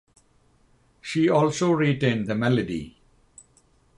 She also retained the melody.